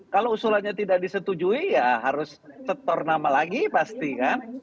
kalau usulannya tidak disetujui ya harus setor nama lagi pasti kan